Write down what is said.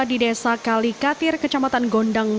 di desa kalikatir kecamatan gondang